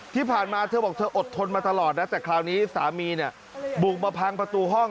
ที่ผ่านมาเธอบอกเธออดทนมาตลอดนะแต่คราวนี้สามีเนี่ยบุกมาพังประตูห้อง